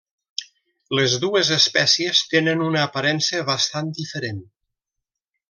Les dues espècies tenen una aparença bastant diferent.